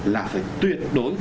là phải tuyệt đối